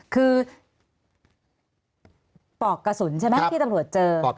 คือปลอกกระสุนใช่ไหมที่ตำรวจเจอ